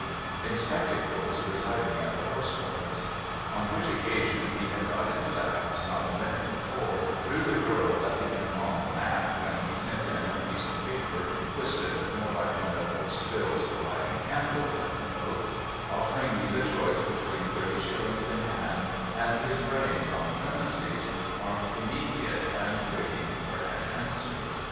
B. in spectacles residing at the Horse Guards. On which occasion he had got into the house not a minute before, through the girl letting him on the mat when he sent in a piece of paper twisted more like one of those spills for lighting candles than a note, offering me the choice between thirty shillings in hand and his brains on the premises marked immediate and waiting for an answer.